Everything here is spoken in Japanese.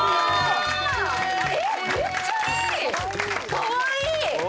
かわいい！